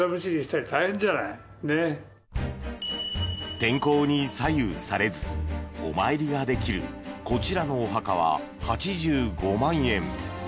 天候に左右されずお参りができるこちらのお墓は８５万円。